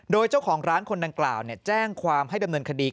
โดยเจ้าของร้านคนดังกล่าวแจ้งความให้ดำเนินคดี